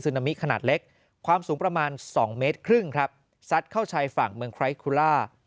นามิขนาดเล็กความสูงประมาณ๒เมตรครึ่งครับซัดเข้าชายฝั่งเมืองไครคุล่า